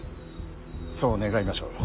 そう願いましょう。